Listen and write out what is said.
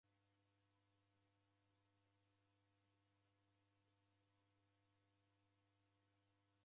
W'ana w'efwana w'isarighie shighadi.